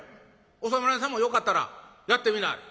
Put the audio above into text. お侍さんもよかったらやってみなはれ。